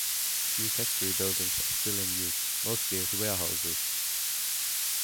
Few factory buildings are still in use, mostly as warehouses.